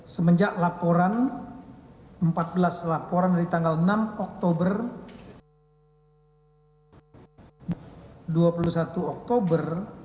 semenjak laporan empat belas laporan dari tanggal enam oktober dua puluh satu oktober